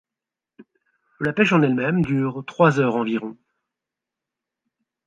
La pêche en elle-même dure trois heures environ.